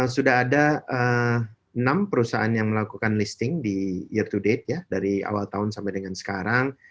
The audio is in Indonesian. sudah ada enam perusahaan yang melakukan listing di year to date dari awal tahun sampai dengan sekarang